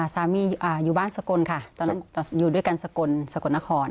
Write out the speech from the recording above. สามีอยู่บ้านสกลค่ะตอนนั้นอยู่ด้วยกันสกลสกลนคร